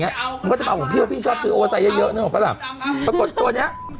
แน่นอนที่อีแจ๊กซ์เป็นตัวหนุ่ม